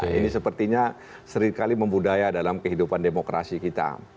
nah ini sepertinya seringkali membudaya dalam kehidupan demokrasi kita